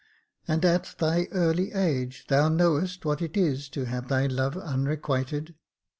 And, at thy early age, thou knowest what it is to have thy love unrequited.